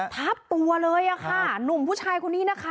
ทับตัวเลยอะค่ะหนุ่มผู้ชายคนนี้นะคะ